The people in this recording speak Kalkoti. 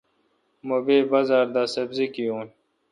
مہ بے بازار دا سبزی گیون۔